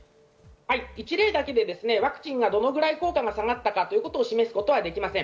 一例だけではワクチンがどのくらい効果が下がったかということ示すことはできません。